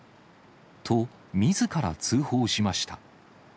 と、みずから通報しました。